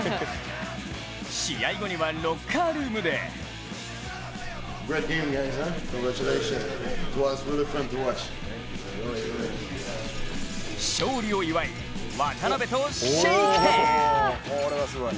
試合後にはロッカールームで勝利を祝い、渡邊とシェイクハンド。